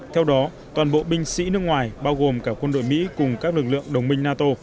theo đó toàn bộ binh sĩ nước ngoài bao gồm cả quân đội mỹ cùng các lực lượng đồng minh nato